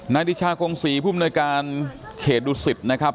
นาฬิชากรงศรีผู้บรรยาการเคดุสิทธิ์นะครับ